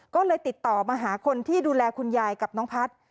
ก็เลยติดต่อมาหาคนที่ดูแลคุณยายกับน้องพัฒน์